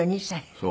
そう。